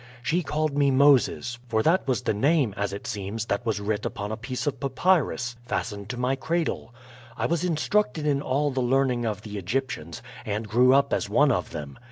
She called me Moses; for that was the name, as it seems, that was writ upon a piece of papyrus fastened to my cradle. I was instructed in all the learning of the Egyptians, and grew up as one of them.